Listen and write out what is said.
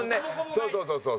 そうそうそうそう。